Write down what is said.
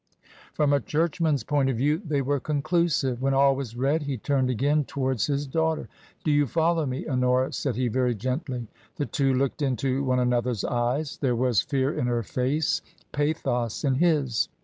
From a churchman's point of view they were conclusive. When all was read, he turned again towards his daughter. " Do you follow me, Honora ?" said he, very gently. The two looked into one another's eyes. There was fear in her face, pathos in his.